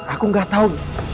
aku gak tau